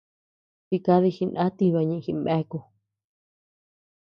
Jikadi jiná tiba ñeʼe jinbeaku.